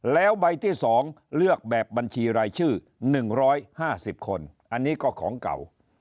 แล้วใบที่สองเลือกแบบบัญชีรายชื่อหนึ่งร้อยห้าสิบคนอันนี้ก็ของเก่า